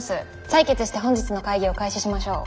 採決して本日の会議を開始しましょう。